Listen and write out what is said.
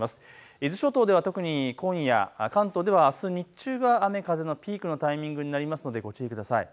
伊豆諸島では特に今夜、関東ではあす日中が雨、風のピークのタイミングとなるのでご注意ください。